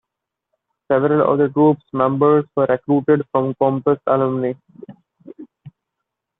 Several of that troupe's members were recruited from Compass alumni.